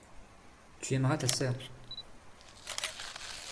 Tu aimeras ta sœur.